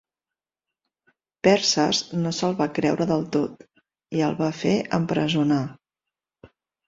Perses no se'l va creure del tot, i el va fer empresonar.